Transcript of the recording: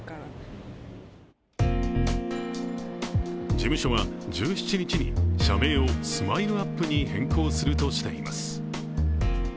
事務所は１７日に社名をＳＭＩＬＥ−ＵＰ．に変更するとしています。